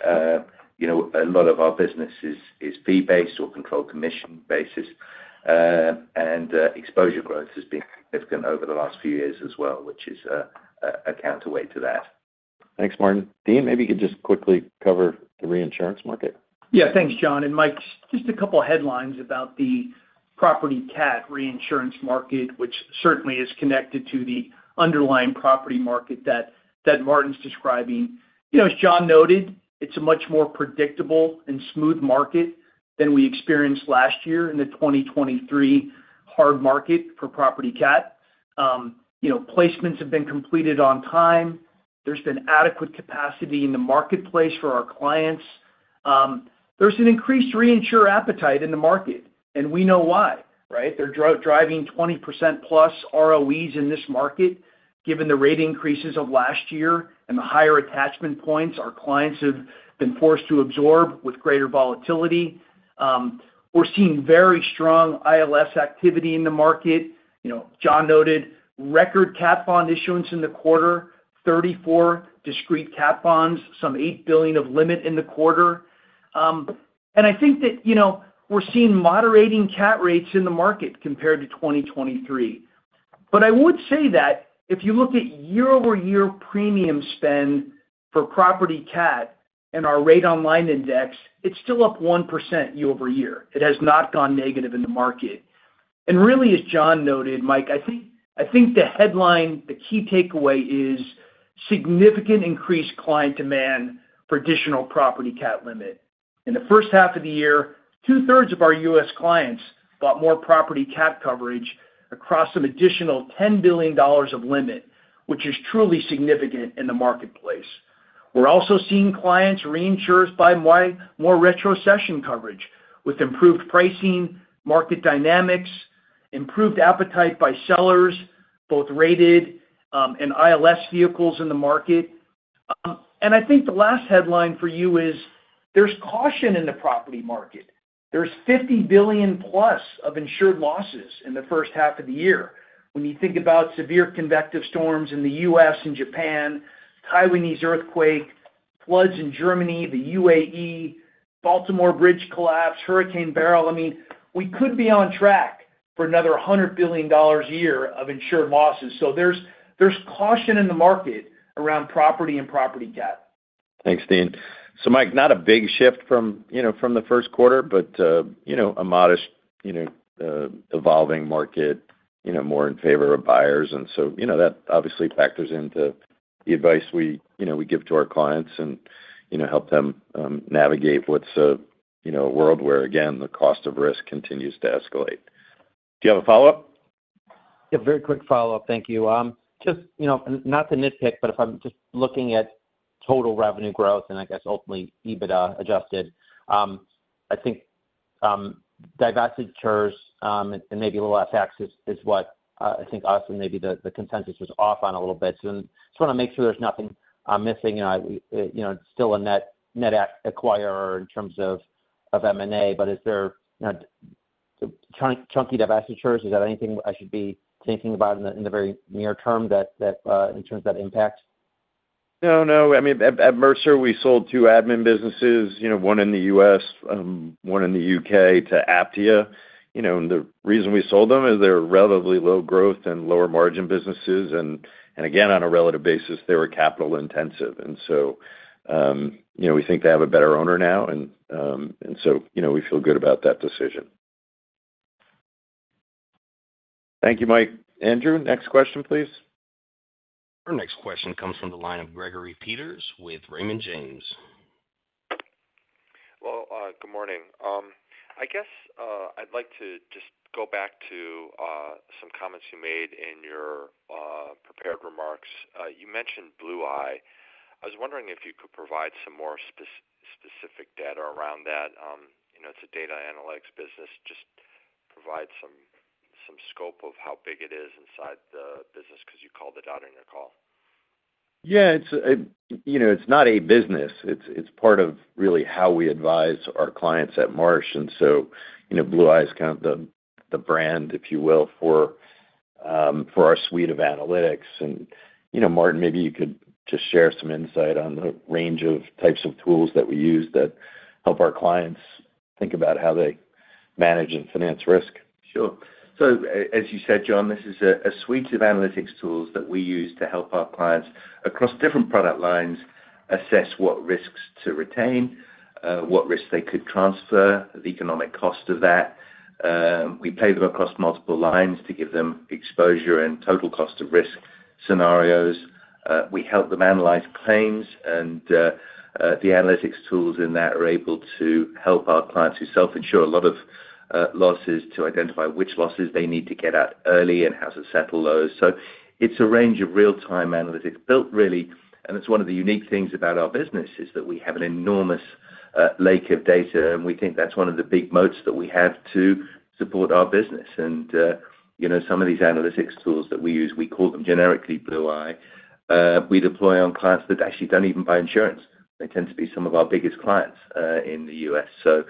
you know, a lot of our business is fee-based or controlled commission basis, and exposure growth has been significant over the last few years as well, which is a counterweight to that. Thanks, Martin. Dean, maybe you could just quickly cover the reinsurance market. Yeah. Thanks, John. And Mike, just a couple headlines about the property cat reinsurance market, which certainly is connected to the underlying property market that Martin's describing. You know, as John noted, it's a much more predictable and smooth market than we experienced last year in the 2023 hard market for property cat. You know, placements have been completed on time. There's been adequate capacity in the marketplace for our clients. There's an increased reinsurer appetite in the market, and we know why, right? They're driving 20%+ ROEs in this market, given the rate increases of last year and the higher attachment points our clients have been forced to absorb with greater volatility. We're seeing very strong ILS activity in the market. You know, John noted, record cat bond issuance in the quarter, 34 discrete cat bonds, some $8 billion of limit in the quarter. And I think that, you know, we're seeing moderating cat rates in the market compared to 2023. But I would say that if you look at year-over-year premium spend for property cat and our rate online index, it's still up 1% year over year. It has not gone negative in the market. And really, as John noted, Mike, I think, I think the headline, the key takeaway is significant increased client demand for additional property cat limit. In the first half of the year, two-thirds of our US clients bought more property cat coverage across an additional $10 billion of limit, which is truly significant in the marketplace. We're also seeing clients reinsurers buy more retrocession coverage with improved pricing, market dynamics, improved appetite by sellers, both rated and ILS vehicles in the market. And I think the last headline for you is, there's caution in the property market. There's $50 billion+ of insured losses in the first half of the year. When you think about severe convective storms in the US and Japan, Taiwanese earthquake, floods in Germany, the UAE, Baltimore bridge collapse, Hurricane Beryl, I mean, we could be on track for another $100 billion a year of insured losses. So there's, there's caution in the market around property and property cat. Thanks, Dean. So Mike, not a big shift from, you know, from the first quarter, but, you know, a modest, you know, evolving market, you know, more in favor of buyers. And so, you know, that obviously factors into the advice we, you know, we give to our clients and, you know, help them, navigate what's a, you know, a world where, again, the cost of risk continues to escalate. Do you have a follow-up? Yeah, very quick follow-up. Thank you. Just, you know, not to nitpick, but if I'm just looking at total revenue growth, and I guess ultimately, EBITDA adjusted, I think, divestitures, and, and maybe a little less tax is, is what, I think also maybe the, the consensus was off on a little bit. So just wanna make sure there's nothing I'm missing. And I, you know, still a net, net acquirer in terms of, of M&A. But is there, you know, chunky, chunky divestitures? Is that anything I should be thinking about in the, in the very near term that, that, in terms of that impact? No, no. I mean, at Mercer, we sold two admin businesses, you know, one in the U.S., one in the U.K., to Aptia. You know, and the reason we sold them is they're relatively low growth and lower margin businesses, and again, on a relative basis, they were capital intensive. And so, you know, we think they have a better owner now, and so, you know, we feel good about that decision. Thank you, Mike. Andrew, next question, please. Our next question comes from the line of Gregory Peters with Raymond James. Well, good morning. I guess, I'd like to just go back to some comments you made in your prepared remarks. You mentioned Blue[i]. I was wondering if you could provide some more specific data around that. You know, it's a data analytics business. Just provide some scope of how big it is inside the business, because you called it out in your call. Yeah, it's, you know, it's not a business. It's, it's part of really how we advise our clients at Marsh. And so, you know, Blue[i] is kind of the, the brand, if you will, for, for our suite of analytics. And, you know, Martin, maybe you could just share some insight on the range of types of tools that we use that help our clients think about how they manage and finance risk. Sure. So as you said, John, this is a suite of analytics tools that we use to help our clients across different product lines, assess what risks to retain, what risks they could transfer, the economic cost of that. We pay them across multiple lines to give them exposure and total cost of risk scenarios. We help them analyze claims, and the analytics tools in that are able to help our clients who self-insure a lot of losses, to identify which losses they need to get out early and how to settle those. So it's a range of real-time analytics built, really, and it's one of the unique things about our business, is that we have an enormous lake of data, and we think that's one of the big moats that we have to support our business. And, you know, some of these analytics tools that we use, we call them generically, Blue[i]. We deploy on clients that actually don't even buy insurance. They tend to be some of our biggest clients, in the U.S. So, ...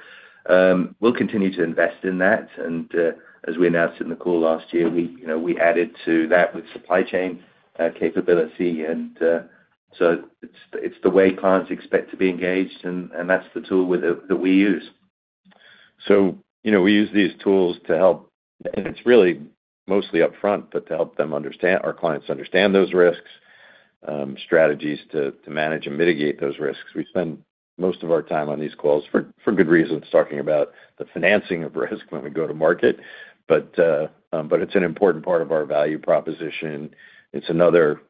we'll continue to invest in that, and, as we announced in the call last year, we, you know, we added to that with supply chain, capability, and, so it's, it's the way clients expect to be engaged, and, and that's the tool with it, that we use. So, you know, we use these tools to help, and it's really mostly upfront, but to help them understand, our clients understand those risks, strategies to, to manage and mitigate those risks. We spend most of our time on these calls for, for good reasons, talking about the financing of risk when we go to market. But, but it's an important part of our value proposition. It's another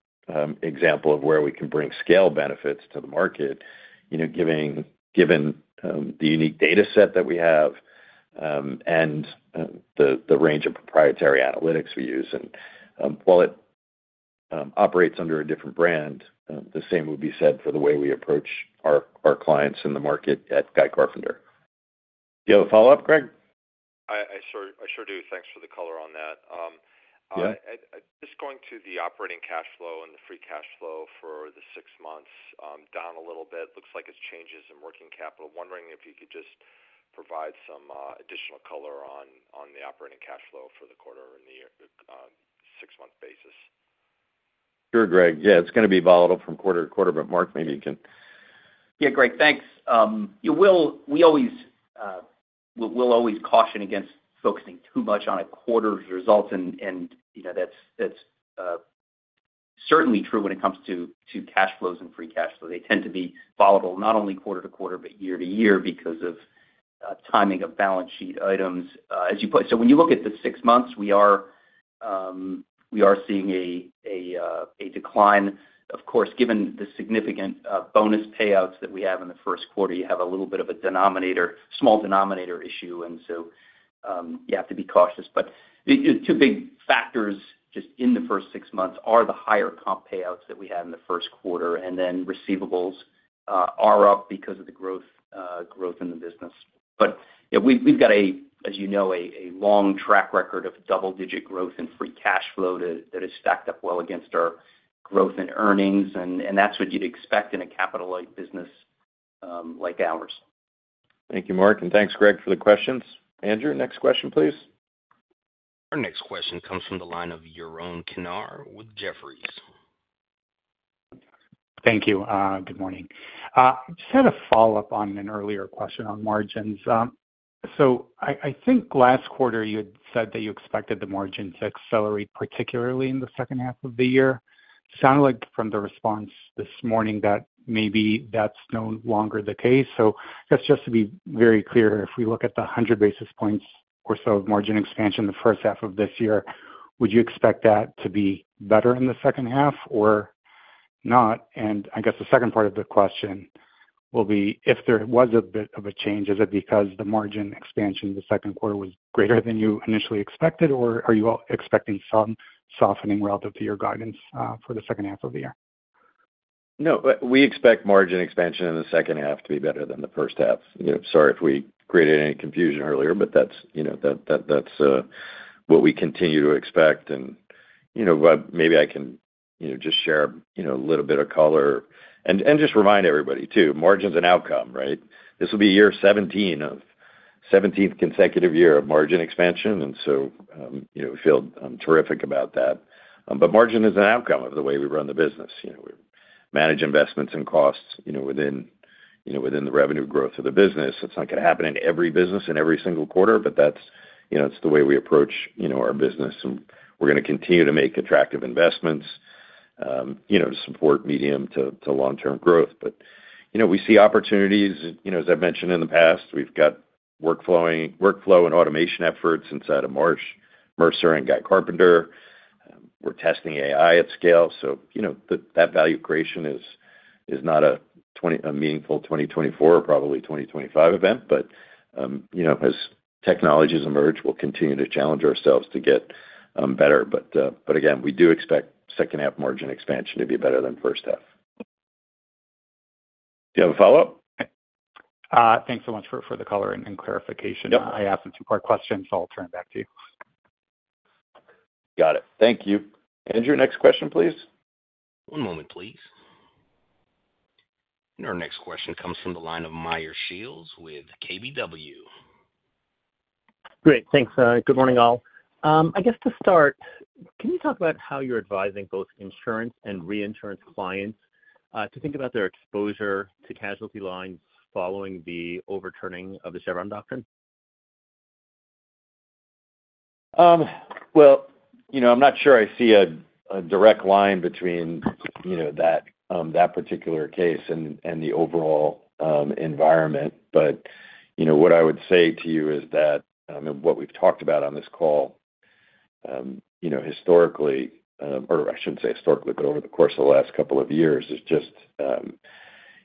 example of where we can bring scale benefits to the market, you know, given the unique data set that we have, and the range of proprietary analytics we use. And while it operates under a different brand, the same would be said for the way we approach our clients in the market at Guy Carpenter. Do you have a follow-up, Greg? I sure do. Thanks for the color on that. Yeah. Just going to the operating cash flow and the free cash flow for the six months, down a little bit. Looks like it's changes in working capital. Wondering if you could just provide some additional color on the operating cash flow for the quarter and the six-month basis. Sure, Greg. Yeah, it's going to be volatile from quarter to quarter, but Mark, maybe you can- Yeah, Greg, thanks. We always, we'll, we'll always caution against focusing too much on a quarter's results, and, and, you know, that's, that's certainly true when it comes to cash flows and free cash flow. They tend to be volatile, not only quarter to quarter, but year to year because of timing of balance sheet items. As you put... So when you look at the six months, we are seeing a decline. Of course, given the significant bonus payouts that we have in the first quarter, you have a little bit of a denominator, small denominator issue, and so you have to be cautious. But the two big factors, just in the first six months, are the higher comp payouts that we had in the first quarter, and then receivables are up because of the growth in the business. Yeah, we've got, as you know, a long track record of double-digit growth in free cash flow that has stacked up well against our growth in earnings, and that's what you'd expect in a capital-light business like ours. Thank you, Mark, and thanks, Greg, for the questions. Andrew, next question, please. Our next question comes from the line of Yaron Kinar with Jefferies. Thank you. Good morning. Just had a follow-up on an earlier question on margins. So I, I think last quarter you had said that you expected the margin to accelerate, particularly in the second half of the year. Sounded like from the response this morning, that maybe that's no longer the case. So I guess just to be very clear, if we look at the 100 basis points or so of margin expansion in the first half of this year, would you expect that to be better in the second half or not? And I guess the second part of the question will be, if there was a bit of a change, is it because the margin expansion in the second quarter was greater than you initially expected, or are you expecting some softening relative to your guidance for the second half of the year? No, but we expect margin expansion in the second half to be better than the first half. You know, sorry if we created any confusion earlier, but that's, you know, what we continue to expect. And, you know, maybe I can, you know, just share, you know, a little bit of color. And just remind everybody, too, margin's an outcome, right? This will be year 17 of 17th consecutive year of margin expansion, and so, you know, we feel terrific about that. But margin is an outcome of the way we run the business. You know, we manage investments and costs, you know, within, you know, within the revenue growth of the business. It's not going to happen in every business in every single quarter, but that's, you know, it's the way we approach, you know, our business, and we're going to continue to make attractive investments, you know, to support medium to long-term growth. But, you know, we see opportunities. You know, as I've mentioned in the past, we've got workflow and automation efforts inside of Marsh, Mercer, and Guy Carpenter. We're testing AI at scale, so you know, that value creation is not a meaningful 2024 or probably 2025 event. But, you know, as technologies emerge, we'll continue to challenge ourselves to get better. But again, we do expect second half margin expansion to be better than first half. Do you have a follow-up? Thanks so much for the color and clarification. Yep. I asked a two-part question, so I'll turn it back to you. Got it. Thank you. Andrew, next question, please. One moment, please. Our next question comes from the line of Meyer Shields with KBW. Great. Thanks. Good morning, all. I guess to start, can you talk about how you're advising both insurance and reinsurance clients to think about their exposure to casualty lines following the overturning of the Chevron doctrine? Well, you know, I'm not sure I see a direct line between, you know, that particular case and the overall environment. But, you know, what I would say to you is that, and what we've talked about on this call, you know, historically, or I shouldn't say historically, but over the course of the last couple of years, is just,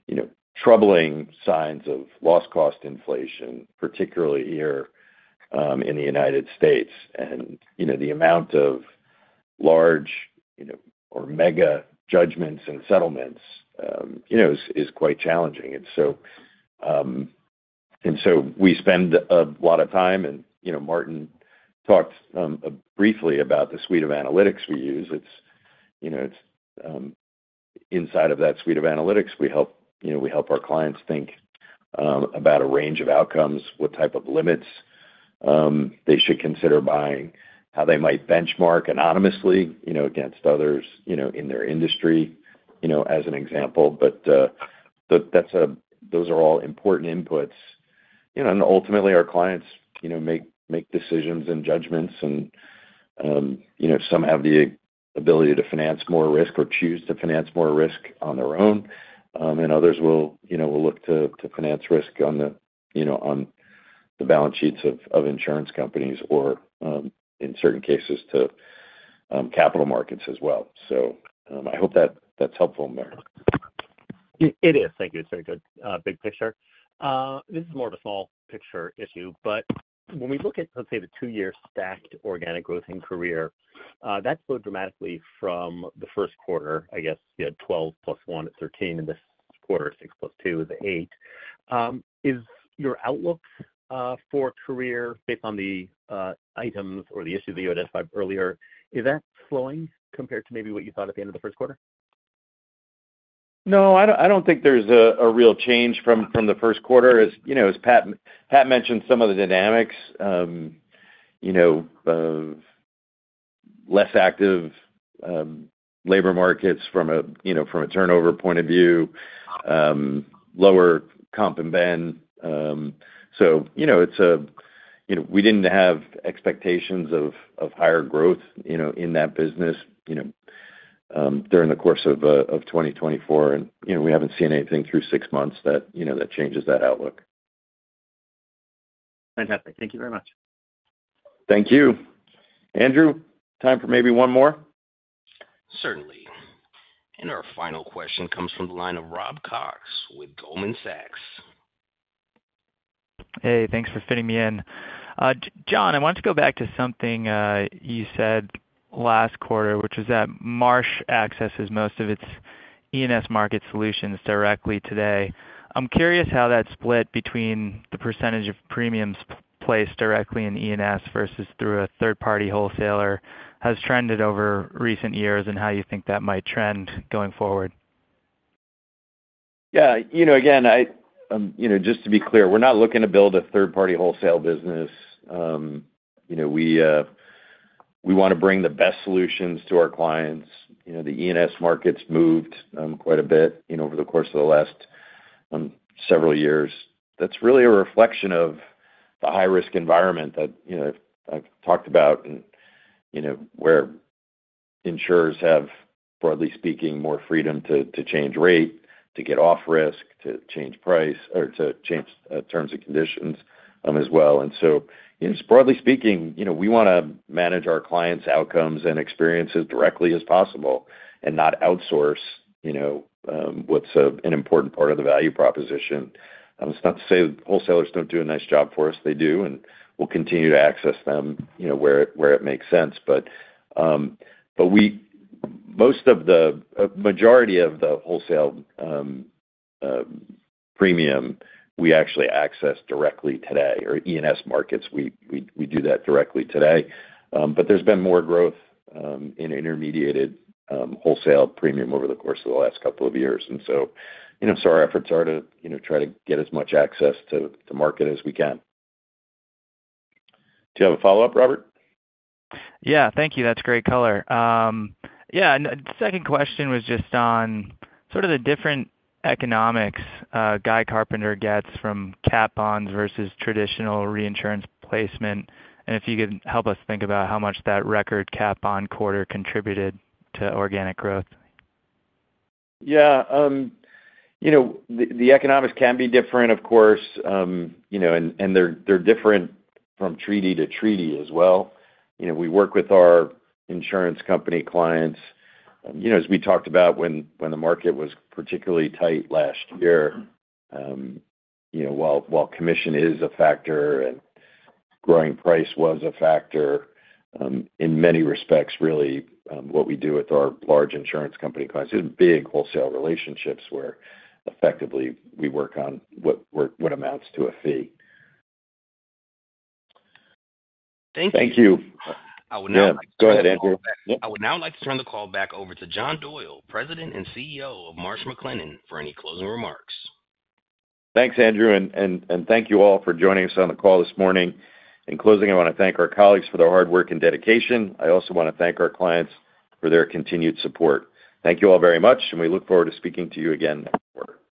you know, troubling signs of loss cost inflation, particularly here, in the United States. And, you know, the amount of large, you know, or mega judgments and settlements, you know, is quite challenging. And so, and so we spend a lot of time, and, you know, Martin talked briefly about the suite of analytics we use. It's, you know, it's... Inside of that suite of analytics, we help, you know, we help our clients think about a range of outcomes, what type of limits they should consider buying, how they might benchmark anonymously, you know, against others, you know, in their industry, you know, as an example. But those are all important inputs. You know, and ultimately, our clients, you know, make decisions and judgments and, you know, some have the ability to finance more risk or choose to finance more risk on their own, and others will, you know, will look to finance risk on the, you know, on the balance sheets of insurance companies or, in certain cases, to capital markets as well. So, I hope that's helpful, Meyer. It is. Thank you. It's very good, big picture. This is more of a small picture issue, but when we look at, let's say, the two-year stacked organic growth in career that slowed dramatically from the first quarter. I guess you had 12 + 1 is 13, in this quarter, 6 + 2 is 8. Is your outlook, for career based on the, items or the issues that you identified earlier, is that slowing compared to maybe what you thought at the end of the first quarter? No, I don't think there's a real change from the first quarter. As you know, as Pat mentioned, some of the dynamics, you know, of less active labor markets from a, you know, from a turnover point of view, lower comp event. So, you know, it's a-- you know, we didn't have expectations of higher growth, you know, in that business, you know, during the course of 2024, and, you know, we haven't seen anything through six months that, you know, that changes that outlook. Fantastic. Thank you very much. Thank you. Andrew, time for maybe one more? Certainly. And our final question comes from the line of Rob Cox with Goldman Sachs. Hey, thanks for fitting me in. John, I want to go back to something you said last quarter, which is that Marsh accesses most of its E&S market solutions directly today. I'm curious how that's split between the percentage of premiums placed directly in E&S versus through a third-party wholesaler has trended over recent years, and how you think that might trend going forward. Yeah, you know, again, I, you know, just to be clear, we're not looking to build a third-party wholesale business. You know, we, we want to bring the best solutions to our clients. You know, the E&S market's moved quite a bit, you know, over the course of the last several years. That's really a reflection of the high-risk environment that, you know, I've talked about and, you know, where insurers have, broadly speaking, more freedom to change rate, to get off risk, to change price, or to change terms and conditions as well. And so, you know, broadly speaking, you know, we want to manage our clients' outcomes and experiences directly as possible and not outsource what's an important part of the value proposition. It's not to say that wholesalers don't do a nice job for us, they do, and we'll continue to access them, you know, where it, where it makes sense. But, but we—most of the majority of the wholesale premium, we actually access directly today, or E&S markets, we, we, we do that directly today. But there's been more growth in intermediated wholesale premium over the course of the last couple of years. And so, you know, so our efforts are to, you know, try to get as much access to, to market as we can. Do you have a follow-up, Robert? Yeah. Thank you. That's great color. Yeah, and the second question was just on sort of the different economics Guy Carpenter gets from cat bonds versus traditional reinsurance placement, and if you can help us think about how much that record cat bond quarter contributed to organic growth. Yeah, you know, the economics can be different, of course, you know, and they're different from treaty to treaty as well. You know, we work with our insurance company clients. You know, as we talked about when the market was particularly tight last year, you know, while commission is a factor and growing price was a factor, in many respects, really, what we do with our large insurance company clients is big wholesale relationships, where effectively we work on what amounts to a fee. Thank you. Thank you. I would now like to- Go ahead, Andrew. I would now like to turn the call back over to John Doyle, President and CEO of Marsh McLennan, for any closing remarks. Thanks, Andrew, and thank you all for joining us on the call this morning. In closing, I want to thank our colleagues for their hard work and dedication. I also want to thank our clients for their continued support. Thank you all very much, and we look forward to speaking to you again next quarter.